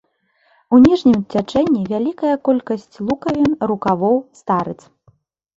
У ніжнім цячэнні вялікая колькасць лукавін, рукавоў, старыц.